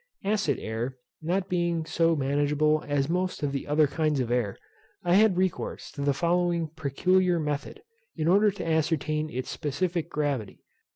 Acid air not being so manageable as most of the other kinds of air, I had recourse to the following peculiar method, in order to ascertain its specific gravity.